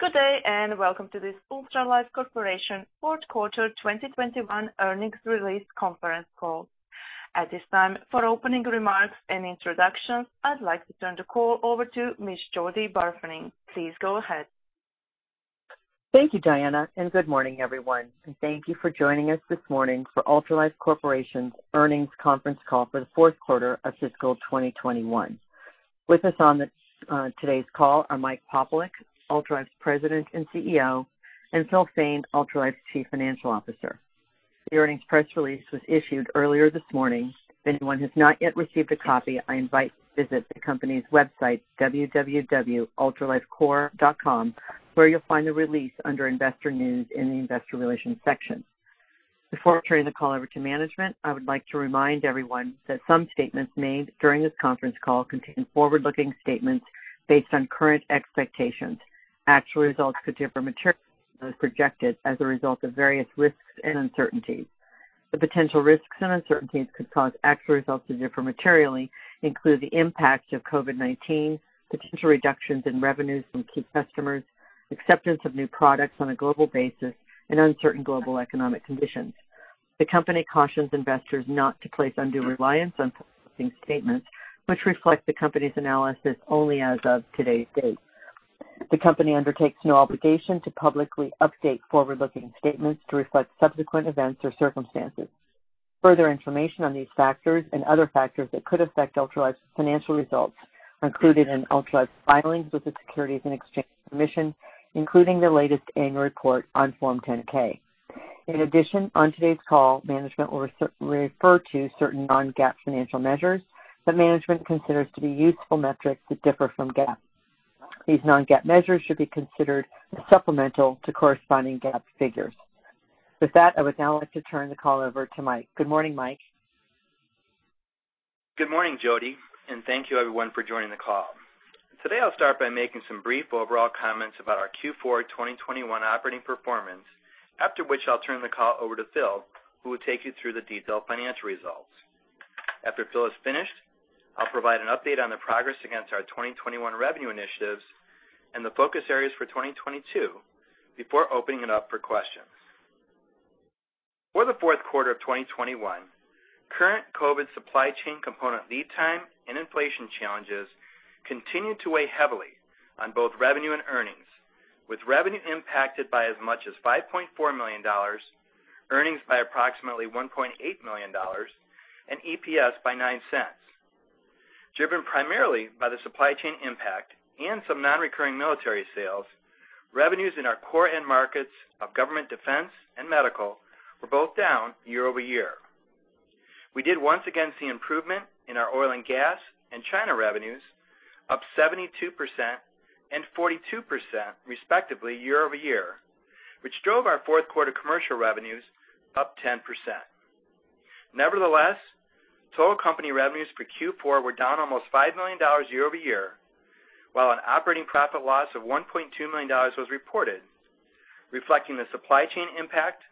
Good day, and welcome to this Ultralife Corporation fourth quarter 2021 earnings release conference call. At this time, for opening remarks and introductions, I'd like to turn the call over to Ms. Jody Burfening. Please go ahead. Thank you, Diana, and good morning, everyone. Thank you for joining us this morning for Ultralife Corporation's earnings conference call for the fourth quarter of fiscal 2021. With us on today's call are Michael Popielec, Ultralife President and CEO, and Philip Fain, Ultralife's Chief Financial Officer. The earnings press release was issued earlier this morning. If anyone has not yet received a copy, I invite you to visit the company's website, www.ultralifecorp.com, where you'll find the release under Investor News in the investor relations section. Before turning the call over to management, I would like to remind everyone that some statements made during this conference call contain forward-looking statements based on current expectations. Actual results could differ materially from those projected as a result of various risks and uncertainties. The potential risks and uncertainties could cause actual results to differ materially, including the impact of COVID-19, potential reductions in revenues from key customers, acceptance of new products on a global basis, and uncertain global economic conditions. The company cautions investors not to place undue reliance on forward-looking statements which reflect the company's analysis only as of today's date. The company undertakes no obligation to publicly update forward-looking statements to reflect subsequent events or circumstances. Further information on these factors and other factors that could affect Ultralife's financial results are included in Ultralife's filings with the Securities and Exchange Commission, including the latest annual report on Form 10-K. In addition, on today's call, management will refer to certain non-GAAP financial measures that management considers to be useful metrics that differ from GAAP. These non-GAAP measures should be considered supplemental to corresponding GAAP figures. With that, I would now like to turn the call over to Michael. Good morning, Michael. Good morning, Jody, and thank you everyone for joining the call. Today, I'll start by making some brief overall comments about our Q4 2021 operating performance, after which I'll turn the call over to Phil, who will take you through the detailed financial results. After Philip is finished, I'll provide an update on the progress against our 2021 revenue initiatives and the focus areas for 2022 before opening it up for questions. For the fourth quarter of 2021, current COVID supply chain component lead time and inflation challenges continued to weigh heavily on both revenue and earnings, with revenue impacted by as much as $5.4 million, earnings by approximately $1.8 million, and EPS by $0.09. Driven primarily by the supply chain impact and some non-recurring military sales, revenues in our core end markets of government defense and medical were both down year-over-year. We did once again see improvement in our oil and gas and China revenues, up 72% and 42%, respectively, year-over-year, which drove our fourth quarter commercial revenues up 10%. Nevertheless, total company revenues for Q4 were down almost $5 million year-over-year, while an operating profit loss of $1.2 million was reported, reflecting the supply chain impact,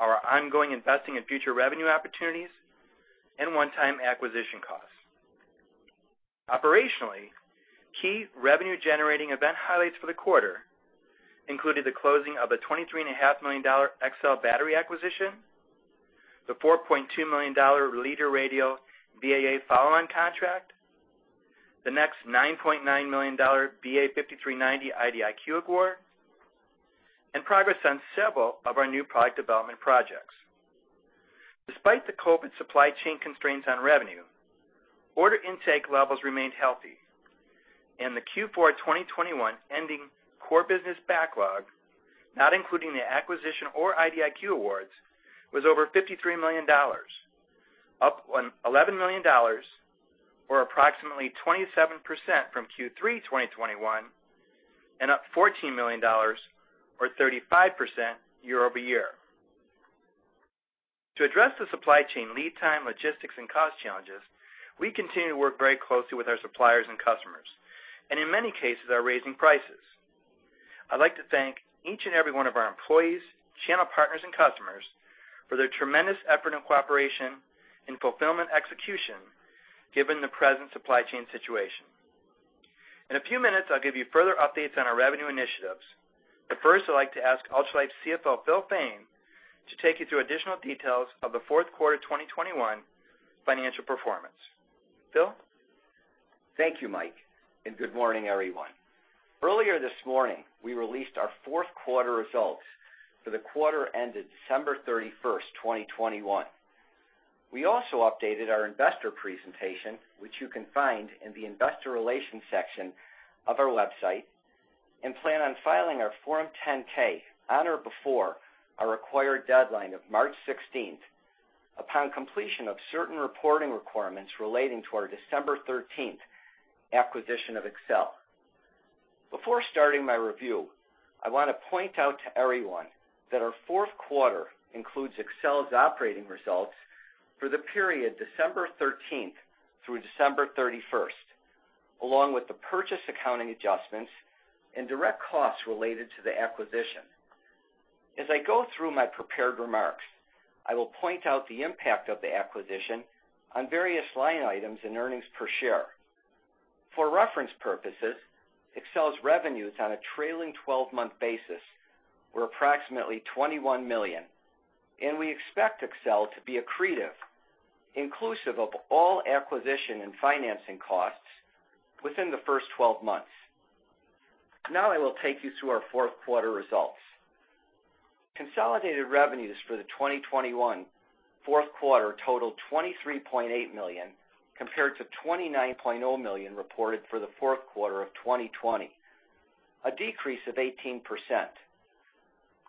our ongoing investing in future revenue opportunities, and one-time acquisition costs. Operationally, key revenue-generating event highlights for the quarter included the closing of a $23.5 million Excell Battery acquisition, the $4.2 million Leader Radio BAA follow-on contract, the $9.9 million BA-5390 IDIQ award, and progress on several of our new product development projects. Despite the COVID supply chain constraints on revenue, order intake levels remained healthy and the Q4 2021 ending core business backlog, not including the acquisition or IDIQ awards, was over $53 million, up $11 million or approximately 27% from Q3 2021 and up $14 million or 35% year-over-year. To address the supply chain lead time, logistics, and cost challenges, we continue to work very closely with our suppliers and customers, and in many cases are raising prices.. I'd like to thank each and every one of our employees, channel partners, and customers for their tremendous effort and cooperation in fulfillment execution given the present supply chain situation. In a few minutes, I'll give you further updates on our revenue initiatives, but first I'd like to ask Ultralife CFO, Philip Fain, to take you through additional details of the fourth quarter of 2021 financial performance. Philip. Thank you, Michael, and good morning, everyone. Earlier this morning, we released our fourth quarter results for the quarter ended December 31st, 2021. We also updated our investor presentation, which you can find in the investor relations section of our website, and plan on filing our Form 10-K on or before our required deadline of March 16th upon completion of certain reporting requirements relating to our December 13th acquisition of Excell. Before starting my review, I want to point out to everyone that our fourth quarter includes Excell's operating results for the period December 13th through December 31st, along with the purchase accounting adjustments and direct costs related to the acquisition. As I go through my prepared remarks, I will point out the impact of the acquisition on various line items and earnings per share. For reference purposes, Excell's revenues on a trailing twelve-month basis were approximately $21 million, and we expect Excell to be accretive, inclusive of all acquisition and financing costs within the first twelve months. Now I will take you through our fourth quarter results. Consolidated revenues for the 2021 fourth quarter totaled $23.8 million, compared to $29.0 million reported for the fourth quarter of 2020, a decrease of 18%.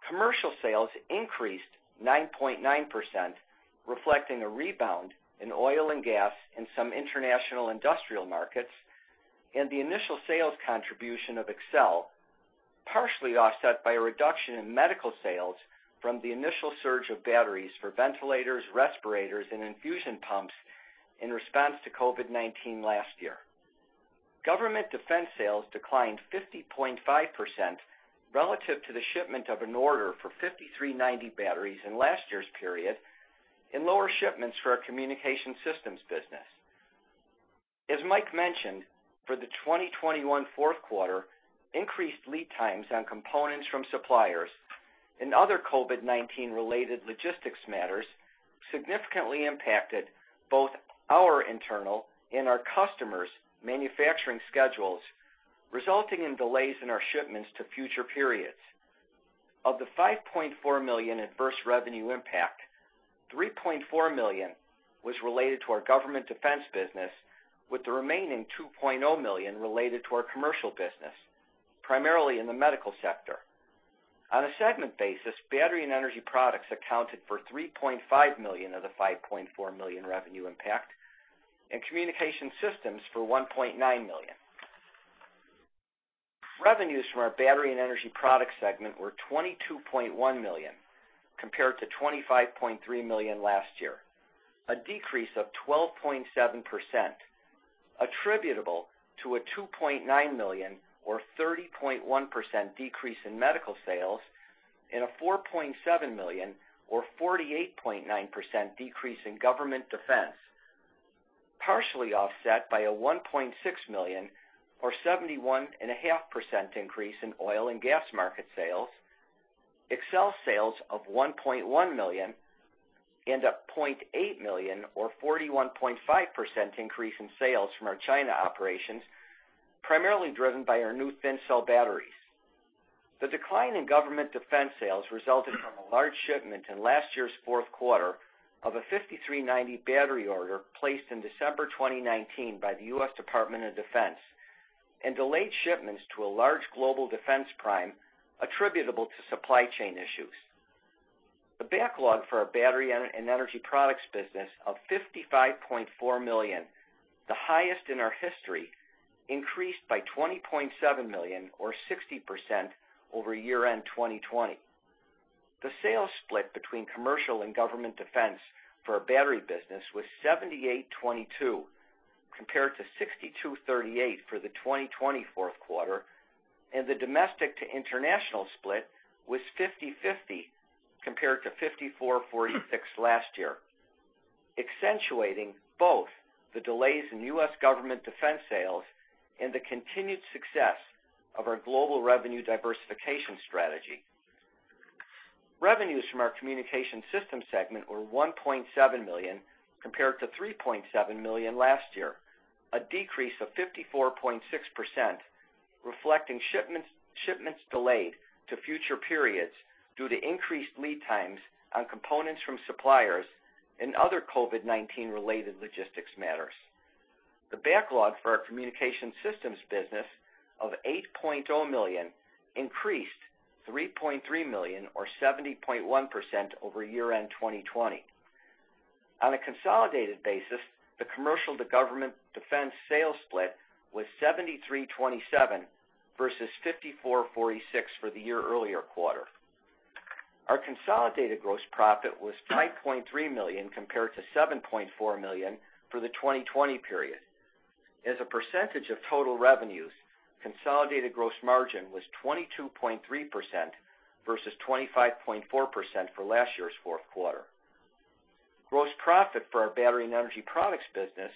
Commercial sales increased 9.9%, reflecting a rebound in oil and gas in some international industrial markets and the initial sales contribution of Excell, partially offset by a reduction in medical sales from the initial surge of batteries for ventilators, respirators, and infusion pumps in response to COVID-19 last year. Government defense sales declined 50.5% relative to the shipment of an order for BA-5390 batteries in last year's period and lower shipments for our Communication Systems business. As Michael mentioned, for the 2021 fourth quarter, increased lead times on components from suppliers and other COVID-19 related logistics matters significantly impacted both our internal and our customers' manufacturing schedules, resulting in delays in our shipments to future periods. Of the $5.4 million adverse revenue impact, $3.4 million was related to our government defense business, with the remaining $2.0 million related to our commercial business, primarily in the medical sector. On a segment basis, Battery & Energy Products accounted for $3.5 million of the $5.4 million revenue impact, and Communication Systems for $1.9 million. Revenues from our Battery & Energy Products segment were $22.1 million compared to $25.3 million last year, a decrease of 12.7% attributable to a $2.9 million or 30.1% decrease in medical sales and a $4.7 million or 48.9% decrease in government and defense, partially offset by a $1.6 million or 71.5% increase in oil and gas market sales. Excell sales of $1.1 million and a $0.8 million or 41.5% increase in sales from our China operations, primarily driven by our new Thin Cell batteries. The decline in government defense sales resulted from a large shipment in last year's fourth quarter of a BA-5390 battery order placed in December 2019 by the U.S. Department of Defense and delayed shipments to a large global defense prime attributable to supply chain issues. The backlog for our Battery & Energy Products business of $55.4 million, the highest in our history, increased by $20.7 million or 60% over year-end 2020. The sales split between commercial and government defense for our battery business was 78-22, compared to 62-38 for the 2020 fourth quarter, and the domestic to international split was 50-50 compared to 54-46 last year, accentuating both the delays in U.S. government defense sales and the continued success of our global revenue diversification strategy. Revenues from our Communication Systems segment were $1.7 million compared to $3.7 million last year, a decrease of 54.6%, reflecting shipments delayed to future periods due to increased lead times on components from suppliers and other COVID-19 related logistics matters. The backlog for our Communication Systems business of $8.0 million increased $3.3 million or 71% over year-end 2020. On a consolidated basis, the commercial to government defense sales split was 73-27 versus 54-46 for the year-earlier quarter. Our consolidated gross profit was $5.3 million compared to $7.4 million for the 2020 period. As a percentage of total revenues, consolidated gross margin was 22.3% versus 25.4% for last year's fourth quarter. Gross profit for our Battery & Energy Products business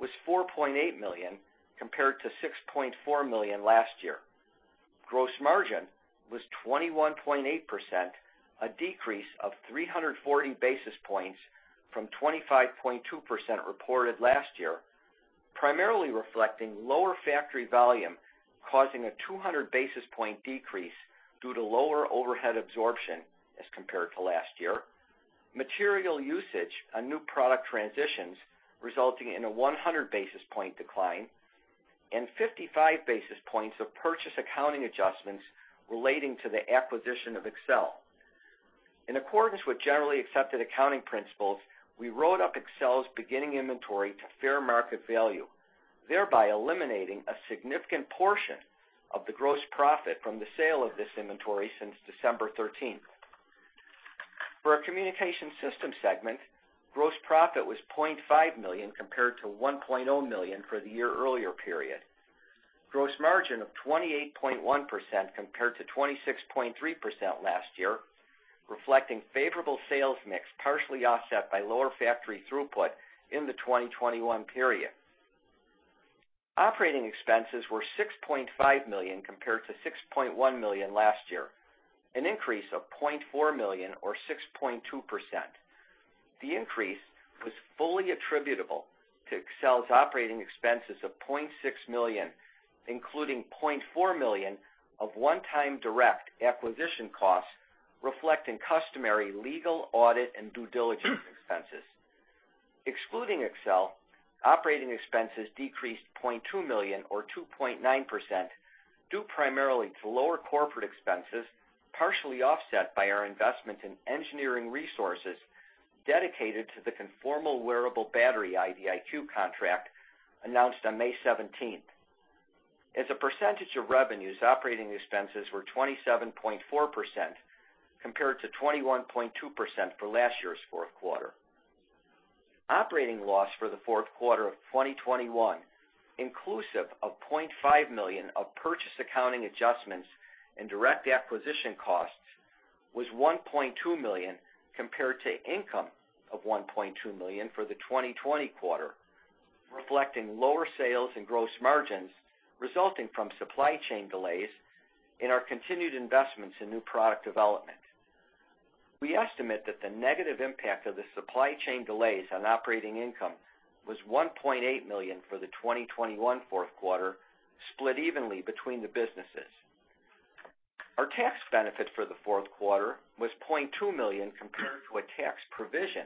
was $4.8 million compared to $6.4 million last year. Gross margin was 21.8%, a decrease of 340 basis points from 25.2% reported last year, primarily reflecting lower factory volume, causing a 200 basis point decrease due to lower overhead absorption as compared to last year, material usage on new product transitions resulting in a 100 basis point decline and 55 basis points of purchase accounting adjustments relating to the acquisition of Excell. In accordance with generally accepted accounting principles, we wrote up Excell's beginning inventory to fair market value, thereby eliminating a significant portion of the gross profit from the sale of this inventory since December 13th. For our communication system segment, gross profit was $0.5 million compared to $1.0 million for the year-earlier period. Gross margin of 28.1% compared to 26.3% last year, reflecting favorable sales mix, partially offset by lower factory throughput in the 2021 period. Operating expenses were $6.5 million compared to $6.1 million last year, an increase of $0.4 million or 6.2%. The increase was fully attributable to Excell's operating expenses of $0.6 million, including $0.4 million of one-time direct acquisition costs, reflecting customary legal audit and due diligence expenses. Excluding Excell, operating expenses decreased $0.2 million or 2.9% due primarily to lower corporate expenses, partially offset by our investment in engineering resources dedicated to the Conformal Wearable Battery IDIQ contract announced on May 17th. As a percentage of revenues, operating expenses were 27.4% compared to 21.2% for last year's fourth quarter. Operating loss for the fourth quarter of 2021, inclusive of $0.5 million of purchase accounting adjustments and direct acquisition costs, was $1.2 million compared to income of $1.2 million for the 2020 quarter, reflecting lower sales and gross margins resulting from supply chain delays and our continued investments in new product development. We estimate that the negative impact of the supply chain delays on operating income was $1.8 million for the 2021 fourth quarter, split evenly between the businesses. Our tax benefit for the fourth quarter was $0.2 million compared to a tax provision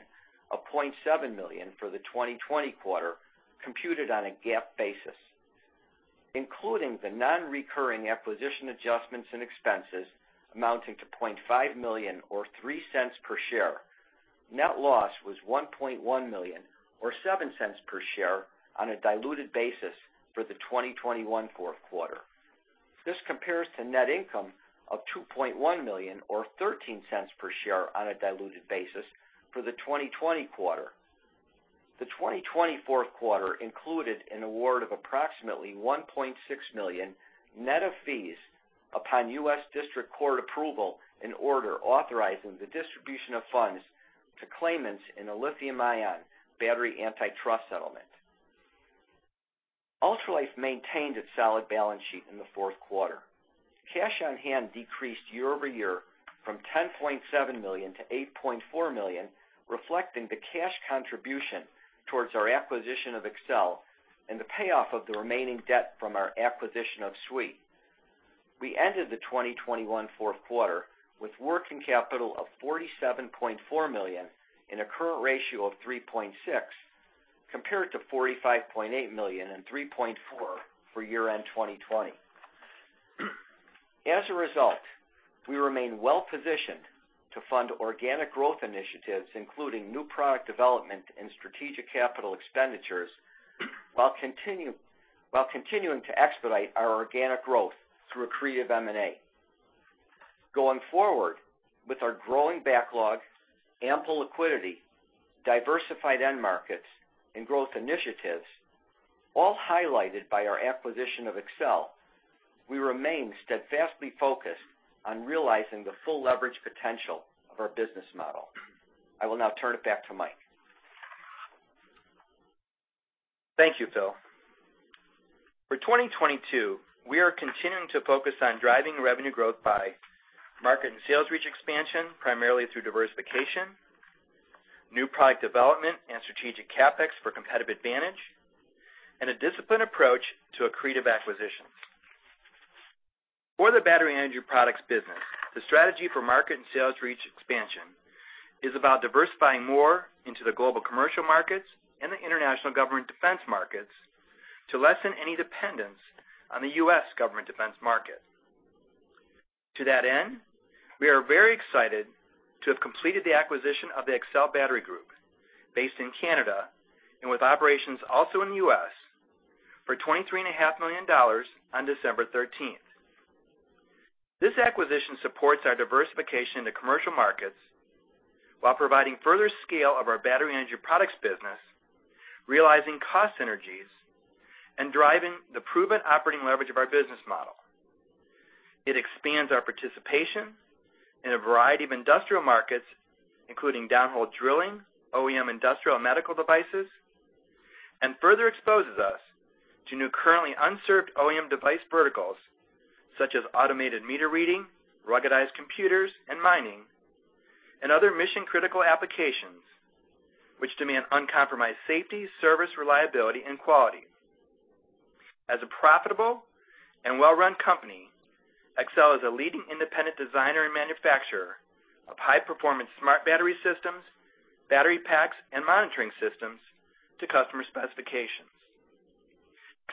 of $0.7 million for the 2020 quarter computed on a GAAP basis. Including the non-recurring acquisition adjustments and expenses amounting to $0.5 million or $0.03 per share, net loss was $1.1 million or $0.07 per share on a diluted basis for the 2021 fourth quarter. This compares to net income of $2.1 million or $0.13 per share on a diluted basis for the 2020 quarter. The 2024 fourth quarter included an award of approximately $1.6 million net of fees upon U.S. District Court approval in order authorizing the distribution of funds to claimants in a lithium-ion battery antitrust settlement. Ultralife maintained its solid balance sheet in the fourth quarter. Cash on hand decreased year over year from $10.7 million to $8.4 million, reflecting the cash contribution towards our acquisition of Excell and the payoff of the remaining debt from our acquisition of SWE. We ended the 2021 fourth quarter with working capital of $47.4 million and a current ratio of 3.6, compared to $45.8 million and 3.4 for year-end 2020. As a result, we remain well-positioned to fund organic growth initiatives, including new product development and strategic capital expenditures, while continuing to expedite our organic growth through accretive M&A. Going forward with our growing backlog, ample liquidity, diversified end markets and growth initiatives, all highlighted by our acquisition of Excell, we remain steadfastly focused on realizing the full leverage potential of our business model. I will now turn it back to Michael. Thank you, Philip. For 2022, we are continuing to focus on driving revenue growth by market and sales reach expansion, primarily through diversification, new product development and strategic CapEx for competitive advantage, and a disciplined approach to accretive acquisitions. For the Battery & Energy Products business, the strategy for market and sales reach expansion is about diversifying more into the global commercial markets and the international government defense markets to lessen any dependence on the U.S. government defense market. To that end, we are very excited to have completed the acquisition of the Excell Battery Group based in Canada and with operations also in the U.S. for $23.5 million on December 13th. This acquisition supports our diversification into commercial markets while providing further scale of our Battery & Energy Products business, realizing cost synergies, and driving the proven operating leverage of our business model. It expands our participation in a variety of industrial markets, including downhole drilling, OEM industrial and medical devices, and further exposes us to new, currently unserved OEM device verticals such as automated meter reading, ruggedized computers and mining, and other mission-critical applications which demand uncompromised safety, service, reliability and quality. As a profitable and well-run company, Excell is a leading independent designer and manufacturer of high-performance smart battery systems, battery packs and monitoring systems to customer specifications,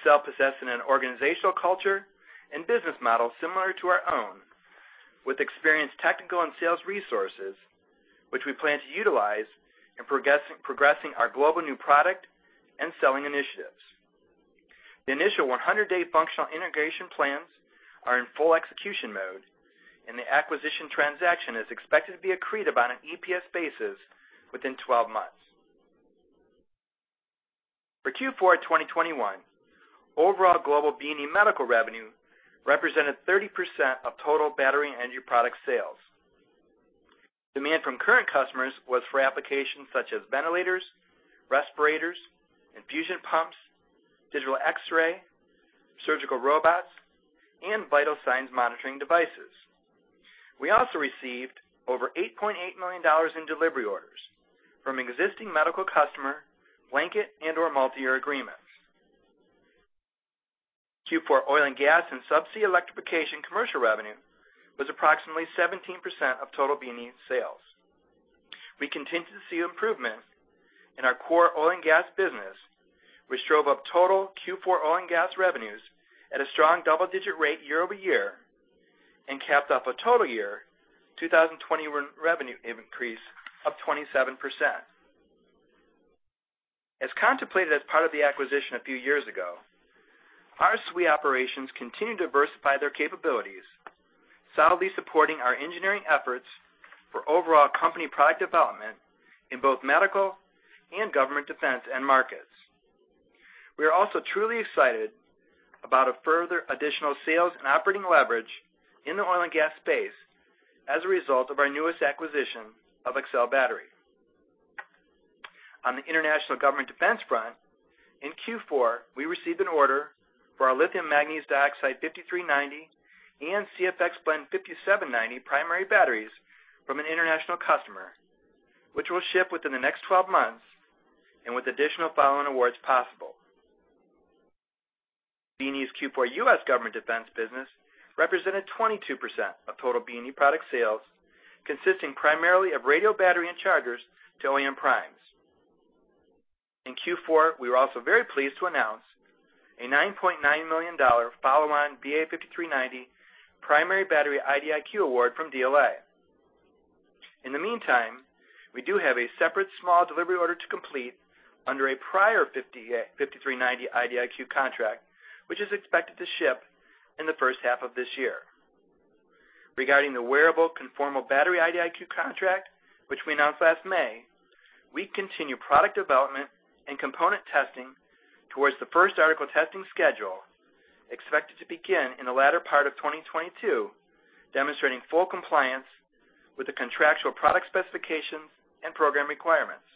possessing an organizational culture and business model similar to our own with experienced technical and sales resources, which we plan to utilize in progressing our global new product and selling initiatives. The initial 100-day functional integration plans are in full execution mode, and the acquisition transaction is expected to be accretive on an EPS basis within 12 months. For Q4 2021, overall global BNE Medical revenue represented 30% of total battery energy product sales. Demand from current customers was for applications such as ventilators, respirators, infusion pumps, digital X-ray, surgical robots, and vital signs monitoring devices. We also received over $8.8 million in delivery orders from existing medical customer blanket and or multi-year agreements. Q4 oil and gas and subsea electrification commercial revenue was approximately 17% of total BNE sales. We continue to see improvement in our core oil and gas business, which drove up total Q4 oil and gas revenues at a strong double-digit rate year-over-year and capped up a total year 2020 revenue increase of 27%. As contemplated as part of the acquisition a few years ago, our SWE operations continue to diversify their capabilities, solidly supporting our engineering efforts for overall company product development in both medical and government defense end markets. We are also truly excited about a further additional sales and operating leverage in the oil and gas space as a result of our newest acquisition of Excell Battery. On the international government defense front, in Q4, we received an order for our Lithium Manganese Dioxide BA-5390 and CFX Blend BA-5790/U primary batteries from an international customer, which will ship within the next 12 months and with additional following awards possible. BNE's Q4 U.S. government defense business represented 22% of total BNE product sales, consisting primarily of radio battery and chargers to OEM primes. In Q4, we were also very pleased to announce a $9.9 million follow-on BA-5390 primary battery IDIQ award from DLA. In the meantime, we do have a separate small delivery order to complete under a prior BA-5390 IDIQ contract, which is expected to ship in the first half of this year. Regarding the Wearable Conformal Battery IDIQ contract, which we announced last May, we continue product development and component testing towards the first article testing schedule, expected to begin in the latter part of 2022, demonstrating full compliance with the contractual product specifications and program requirements.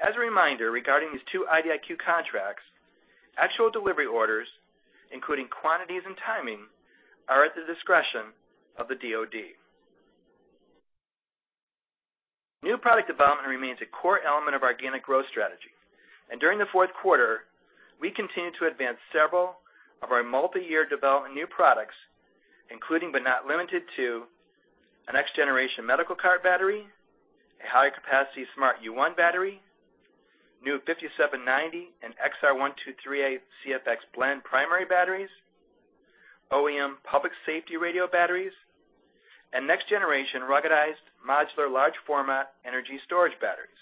As a reminder, regarding these two IDIQ contracts, actual delivery orders, including quantities and timing, are at the discretion of the DoD. New product development remains a core element of our organic growth strategy. During the fourth quarter, we continued to advance several of our multi-year development new products, including, but not limited to, a next-generation medical cart battery, a high-capacity smart U1 battery, new 5790 and XR123A CFX Blend primary batteries, OEM public safety radio batteries, and next-generation ruggedized modular large format energy storage batteries.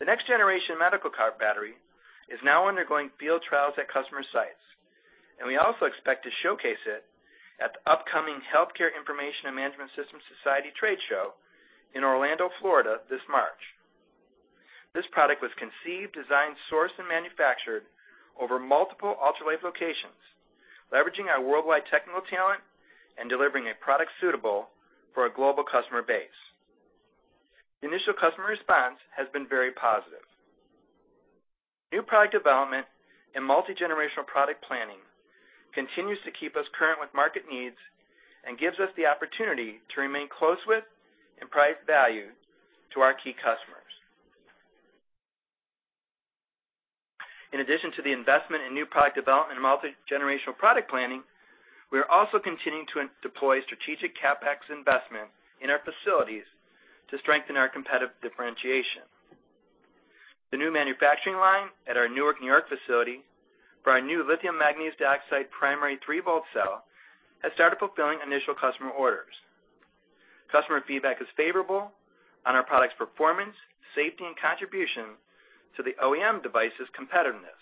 The next-generation medical cart battery is now undergoing field trials at customer sites, and we also expect to showcase it at the upcoming Healthcare Information and Management Systems Society Trade Show in Orlando, Florida, this March. This product was conceived, designed, sourced, and manufactured over multiple Ultralife locations, leveraging our worldwide technical talent and delivering a product suitable for a global customer base. The initial customer response has been very positive. New product development and multi-generational product planning continues to keep us current with market needs and gives us the opportunity to remain close with and price value to our key customers. In addition to the investment in new product development and multi-generational product planning, we are also continuing to deploy strategic CapEx investment in our facilities to strengthen our competitive differentiation. The new manufacturing line at our Newark, New York facility for our new Lithium Manganese Dioxide primary 3-volt cell has started fulfilling initial customer orders. Customer feedback is favorable on our product's performance, safety, and contribution to the OEM device's competitiveness.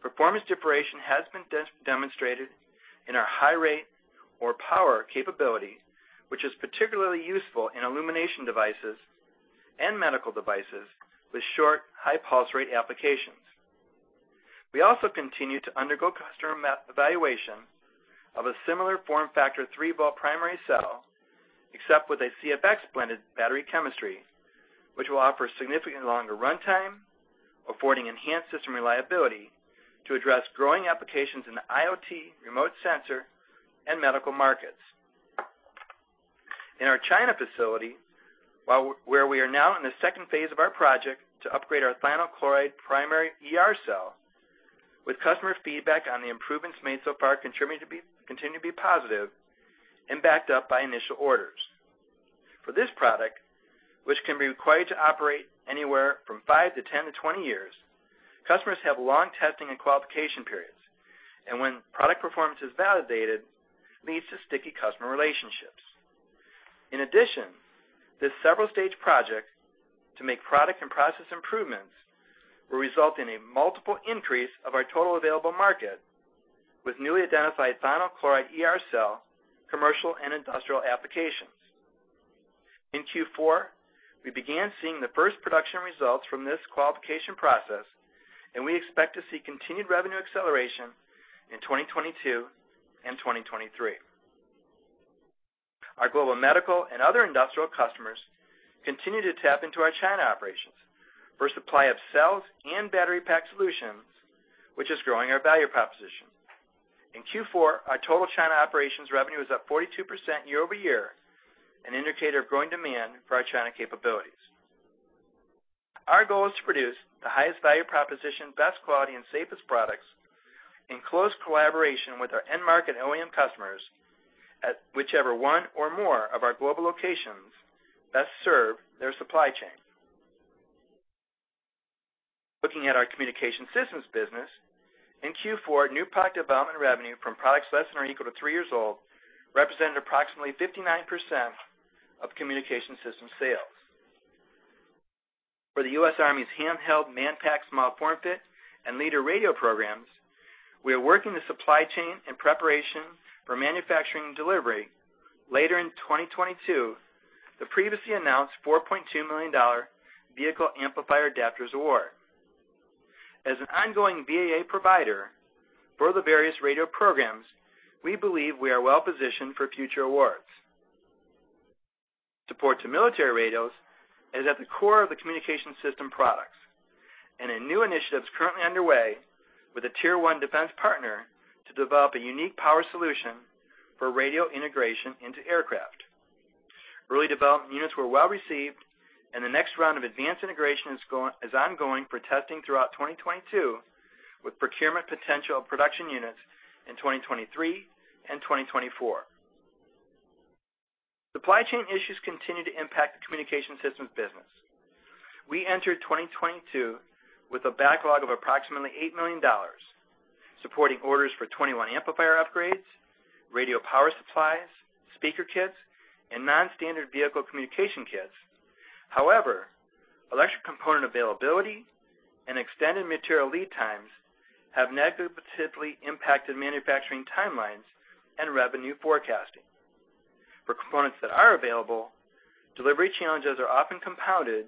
Performance differentiation has been demonstrated in our high rate or power capability, which is particularly useful in illumination devices and medical devices with short, high pulse rate applications. We also continue to undergo customer evaluation of a similar form factor 3-volt primary cell, except with a CFX blended battery chemistry, which will offer significantly longer runtime, affording enhanced system reliability to address growing applications in the IoT, remote sensor, and medical markets. In our China facility, where we are now in the second phase of our project to upgrade our thionyl chloride primary ER cell with customer feedback on the improvements made so far continue to be positive and backed up by initial orders. For this product, which can be required to operate anywhere from five to 10 to 20 years, customers have long testing and qualification periods, and when product performance is validated, leads to sticky customer relationships. In addition, this several stage project to make product and process improvements will result in a multiple increase of our total available market with newly identified thionyl chloride ER cell, commercial and industrial applications. In Q4, we began seeing the first production results from this qualification process, and we expect to see continued revenue acceleration in 2022 and 2023. Our global medical and other industrial customers continue to tap into our China operations for supply of cells and battery pack solutions, which is growing our value proposition. In Q4, our total China operations revenue is up 42% year-over-year, an indicator of growing demand for our China capabilities. Our goal is to produce the highest value proposition, best quality, and safest products in close collaboration with our end market OEM customers at whichever one or more of our global locations best serve their supply chain. Looking at our communication systems business. In Q4, new product development revenue from products less than or equal to three years old represented approximately 59% of communication system sales. For the U.S. Army's Handheld, Manpack, and Small Form Fit and Leader Radio programs, we are working the supply chain in preparation for manufacturing delivery later in 2022. The previously announced $4.2 million vehicle amplifier adapters award. As an ongoing VAA provider for the various radio programs, we believe we are well-positioned for future awards. Support to military radios is at the core of the communication system products, and a new initiative is currently underway with a tier one defense partner to develop a unique power solution for radio integration into aircraft. Early development units were well-received, and the next round of advanced integration is ongoing for testing throughout 2022, with procurement potential of production units in 2023 and 2024. Supply chain issues continue to impact the communication systems business. We entered 2022 with a backlog of approximately $8 million, supporting orders for 21 amplifier upgrades, radio power supplies, speaker kits, and non-standard vehicle communication kits. However, electric component availability and extended material lead times have negatively impacted manufacturing timelines and revenue forecasting. For components that are available, delivery challenges are often compounded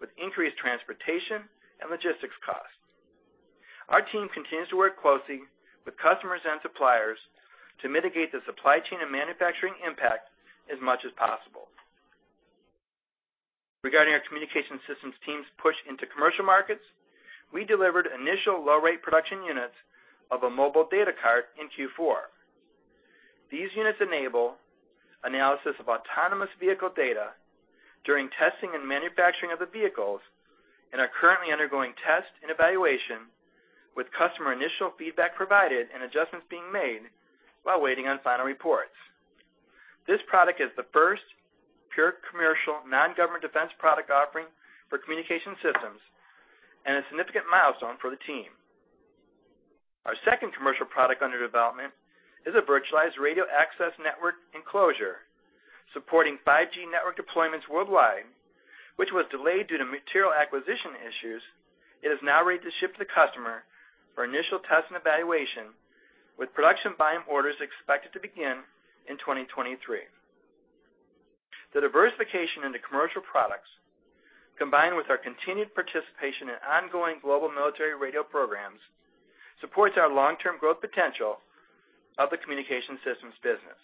with increased transportation and logistics costs. Our team continues to work closely with customers and suppliers to mitigate the supply chain and manufacturing impact as much as possible. Regarding our communication systems team's push into commercial markets, we delivered initial low rate production units of a mobile data cart in Q4. These units enable analysis of autonomous vehicle data during testing and manufacturing of the vehicles, and are currently undergoing test and evaluation, with customer initial feedback provided and adjustments being made while waiting on final reports. This product is the first pure commercial non-government defense product offering for communication systems and a significant milestone for the team. Our second commercial product under development is a Virtualized Radio Access Network enclosure supporting 5G network deployments worldwide, which was delayed due to material acquisition issues. It is now ready to ship to the customer for initial test and evaluation with production buy and orders expected to begin in 2023. The diversification into commercial products, combined with our continued participation in ongoing global military radio programs, supports our long-term growth potential of the communication systems business.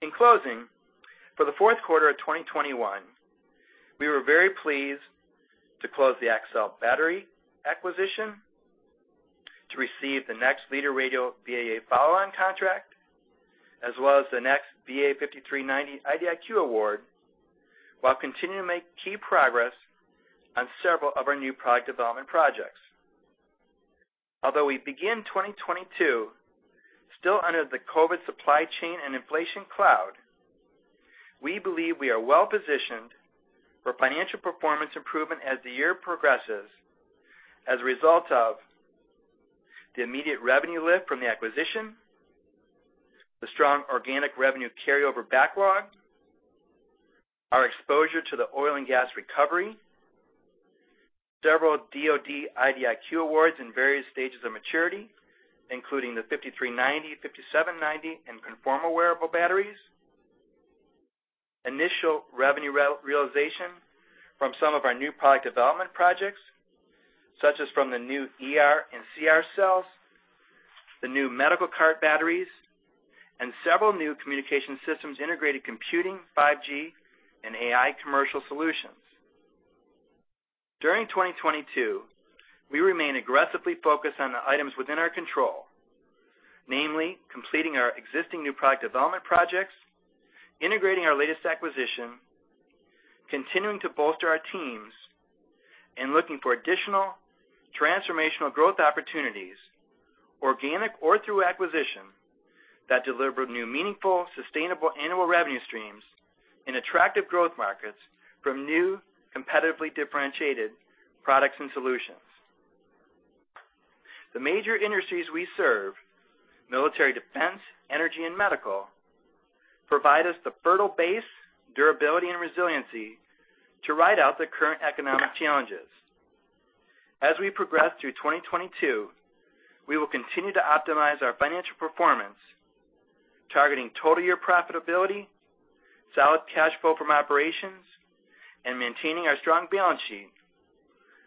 In closing, for the fourth quarter of 2021, we were very pleased to close the Excell battery acquisition, to receive the next Leader Radio VAA follow-on contract, as well as the next BA-5390 IDIQ award, while continuing to make key progress on several of our new product development projects. Although we begin 2022 still under the COVID supply chain and inflation cloud, we believe we are well-positioned for financial performance improvement as the year progresses as a result of the immediate revenue lift from the acquisition, the strong organic revenue carryover backlog, our exposure to the oil and gas recovery, several DoD IDIQ awards in various stages of maturity, including the BA-5390, BA-5790/U in Conformal Wearable Batteries, initial revenue re-realization from some of our new product development projects, such as from the new ER and CR cells, the new medical cart batteries, and several new communication systems, integrated computing, 5G, and AI commercial solutions. During 2022, we remain aggressively focused on the items within our control, namely completing our existing new product development projects, integrating our latest acquisition, continuing to bolster our teams, and looking for additional transformational growth opportunities, organic or through acquisition, that deliver new, meaningful, sustainable annual revenue streams in attractive growth markets from new, competitively differentiated products and solutions. The major industries we serve, military defense, energy, and medical, provide us the fertile base, durability, and resiliency to ride out the current economic challenges. As we progress through 2022, we will continue to optimize our financial performance, targeting total year profitability, solid cash flow from operations, and maintaining our strong balance sheet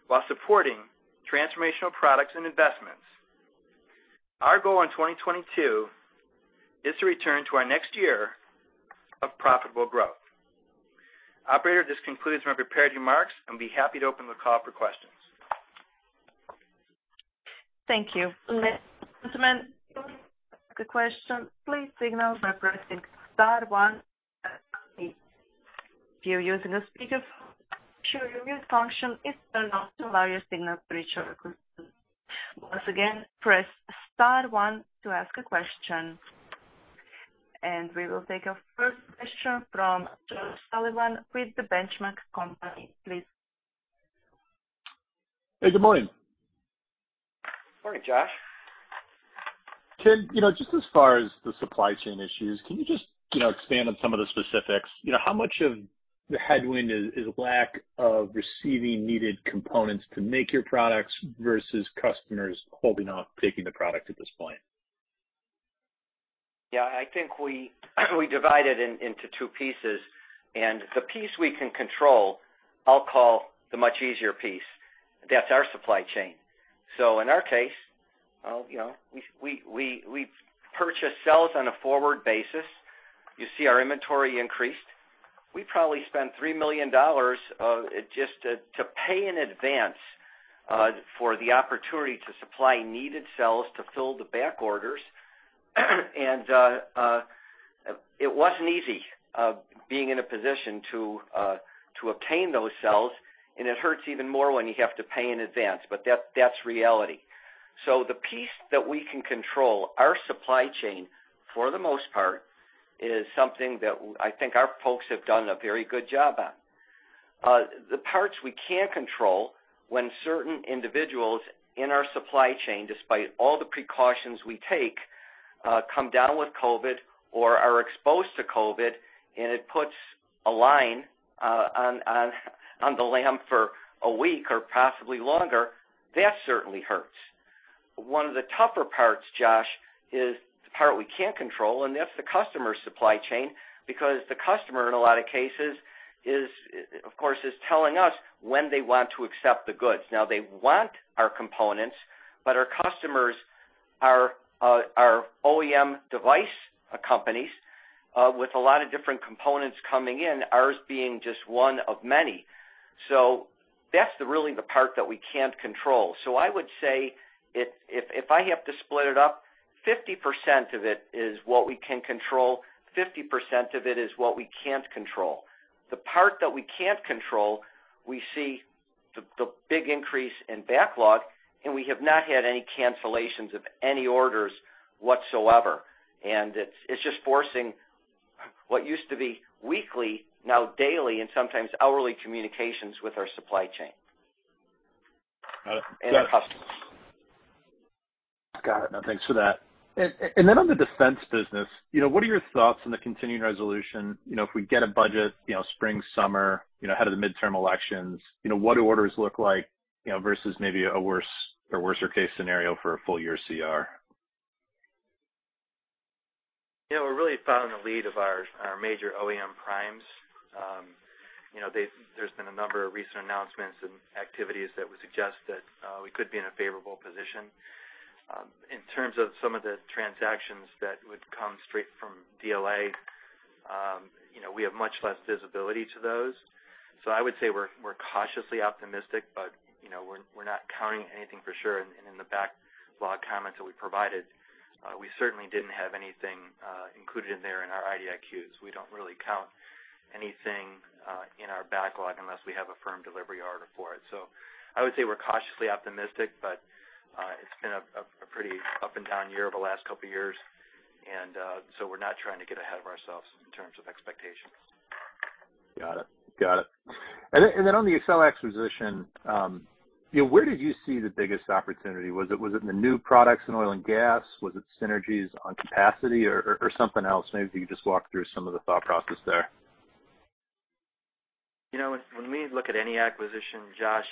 while supporting transformational products and investments. Our goal in 2022 is to return to our next year of profitable growth. Operator, this concludes my prepared remarks, and we're happy to open the call for questions. Thank you. Mm. To ask a question, please signal by pressing star one. If you're using a speakerphone, make sure your mute function is turned off to allow your signal to reach our equipments. Once again, press star one to ask a question. And we will take our first question from Josh Sullivan with The Benchmark Company. Please go ahead. Hey, good morning. Morning, Josh. Philip, you know, just as far as the supply chain issues, can you just, you know, expand on some of the specifics? You know, how much of the headwind is lack of receiving needed components to make your products versus customers holding off taking the product at this point? Yeah, I think we divide it into two pieces. The piece we can control, I'll call the much easier piece. That's our supply chain. So in our case, well, you know, we purchase cells on a forward basis. You see our inventory increased. We probably spent $3 million just to pay in advance for the opportunity to supply needed cells to fill the back orders. It wasn't easy being in a position to obtain those cells, and it hurts even more when you have to pay in advance. That's reality. The piece that we can control, our supply chain, for the most part, is something that I think our folks have done a very good job on. The parts we can't control when certain individuals in our supply chain, despite all the precautions we take, come down with COVID or are exposed to COVID, and it puts a line on the line for a week or possibly longer, that certainly hurts. One of the tougher parts, Josh, is the part we can't control, and that's the customer supply chain, because the customer in a lot of cases is, of course, telling us when they want to accept the goods. Now, they want our components, but our customers are OEM device companies with a lot of different components coming in, ours being just one of many. That's really the part that we can't control. I would say if I have to split it up, 50% of it is what we can control, 50% of it is what we can't control. The part that we can't control, we see the big increase in backlog, and we have not had any cancellations of any orders whatsoever. It's just forcing what used to be weekly, now daily and sometimes hourly communications with our supply chain. Got it. And our customers. Got it. No, thanks for that. Then on the defense business, you know, what are your thoughts on the continuing resolution? You know, if we get a budget, you know, spring, summer, you know, ahead of the midterm elections, you know, what do orders look like, you know, versus maybe a worse or worser case scenario for a full year CR? You know, we're really following the lead of our major OEM primes. You know, there's been a number of recent announcements and activities that would suggest that we could be in a favorable position. In terms of some of the transactions that would come straight from DLA, we have much less visibility to those. I would say we're cautiously optimistic, but you know, we're not counting anything for sure. In the backlog comments that we provided, we certainly didn't have anything included in there in our IDIQs. We don't really count anything in our backlog unless we have a firm delivery order for it. I would say we're cautiously optimistic, but it's been a pretty up and down year over the last couple of years. We're not trying to get ahead of ourselves in terms of expectations. Got it. On the Excell acquisition, where did you see the biggest opportunity? Was it in the new products in oil and gas? Was it synergies on capacity or something else? Maybe if you could just walk through some of the thought process there. When we look at any acquisition, Josh,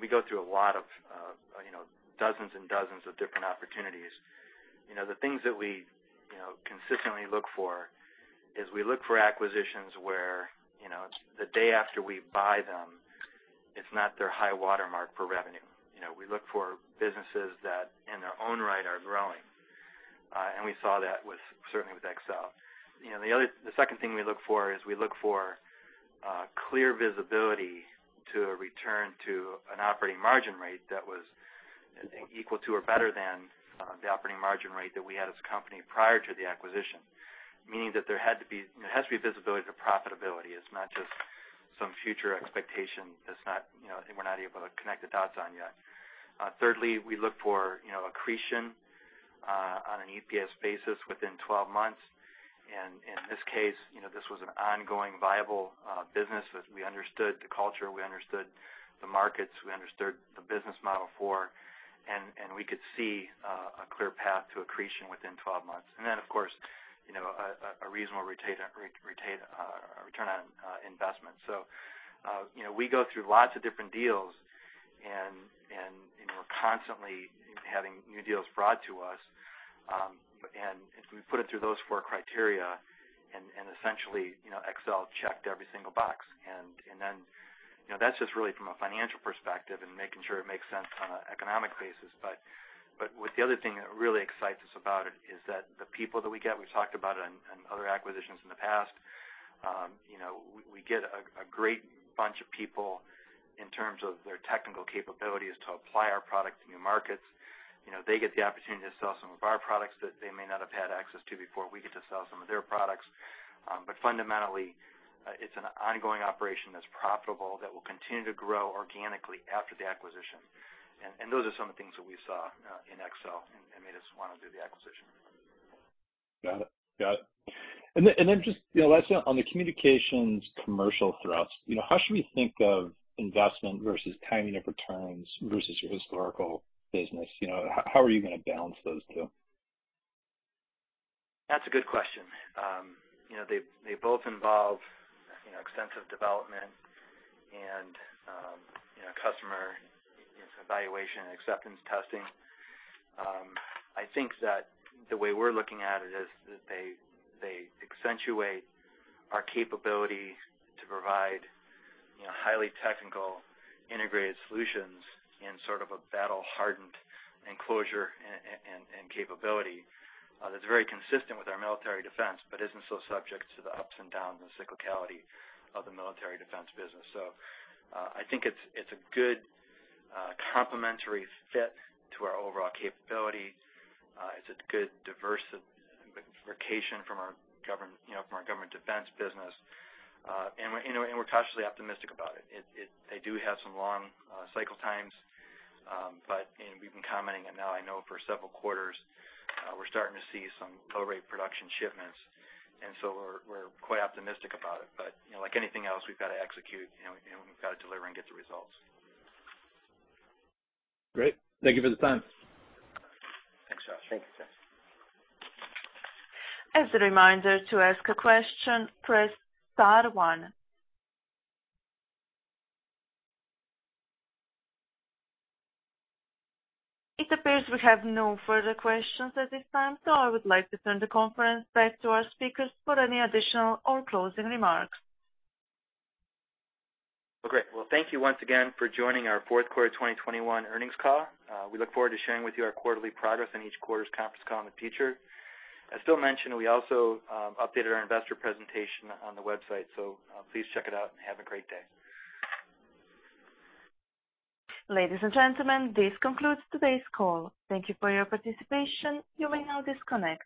we go through a lot of dozens of different opportunities. The things that we consistently look for is we look for acquisitions where it's the day after we buy them, it's not their high watermark for revenue. We look for businesses that in their own right are growing. We saw that with, certainly with Excell. You know, the second thing we look for is clear visibility to a return to an operating margin rate that was equal to or better than the operating margin rate that we had as a company prior to the acquisition. Meaning that there had to be, you know, it has to be visibility to profitability. It's not just some future expectation that's not, you know, we're not able to connect the dots on yet. Thirdly, we look for accretion on an EPS basis within 12 months. In this case, you know, this was an ongoing viable business that we understood the culture, we understood the markets, we understood the business model for, and we could see a clear path to accretion within 12 months. Of course, you know, a reasonable return on investment. You know, we go through lots of different deals and we're constantly having new deals brought to us, and if we put it through those four criteria and essentially, you know, Excell checked every single box. You know, that's just really from a financial perspective and making sure it makes sense on an economic basis. With the other thing that really excites us about it is that the people that we get, we've talked about on other acquisitions in the past, you know, we get a great bunch of people in terms of their technical capabilities to apply our products to new markets. You know, they get the opportunity to sell some of our products that they may not have had access to before. We get to sell some of their products. But fundamentally, it's an ongoing operation that's profitable, that will continue to grow organically after the acquisition. Those are some of the things that we saw in Excell and made us wanna do the acquisition. Got it. Just, you know, last thing. On the communications commercial thrust, you know, how should we think of investment versus timing of returns versus your historical business? You know, how are you gonna balance those two? That's a good question. You know, they both involve you know, extensive development and, you know, customer evaluation and acceptance testing. I think that the way we're looking at it is that they accentuate our capability to provide, you know, highly technical integrated solutions in sort of a battle-hardened enclosure and capability, that's very consistent with our military defense, but isn't so subject to the ups and downs and cyclicality of the military defense business. I think it's a good complementary fit to our overall capability. It's a good diversification from our government defense business. You know, we're cautiously optimistic about it. They do have some long cycle times, but we've been commenting on it now, I know, for several quarters. We're starting to see some low rate production shipments, and so we're quite optimistic about it. You know, like anything else, we've got to execute and we've got to deliver and get the results. Great. Thank you for the time. Thanks, Josh. Thanks, Josh. As a reminder, to ask a question, press star one. It appears we have no further questions at this time, so I would like to turn the conference back to our speakers for any additional or closing remarks. Well, great. Well, thank you once again for joining our fourth quarter 2021 earnings call. We look forward to sharing with you our quarterly progress in each quarter's conference call in the future. As Philip mentioned, we also updated our investor presentation on the website, so please check it out and have a great day. Ladies and gentlemen, this concludes today's call. Thank you for your participation. You may now disconnect.